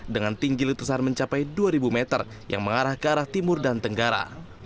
dengan tinggi letusan mencapai dua ribu meter yang mengarah ke arah timur dan tenggara